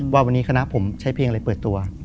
ว่าวันนี้คณะผมใช้เพลงอะไรเปิดตัว